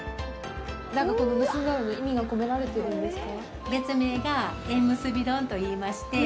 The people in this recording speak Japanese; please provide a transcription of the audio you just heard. なんか、この結んであるのは意味が込められているんですか？